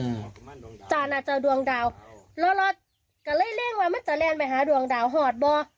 อืมจ้าน่าจะดวงดาวแล้วแล้วก็เลยเร่งมามันจะแรนไปหาดวงดาวหอดบ่า